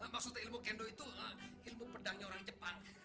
maksudnya ilmu kendo itu ilmu pedangnya orang jepang